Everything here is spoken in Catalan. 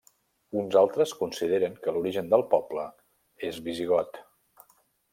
Uns altres consideren que l'origen del poble és visigot.